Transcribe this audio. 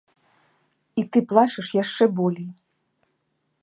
І ты плачаш яшчэ болей.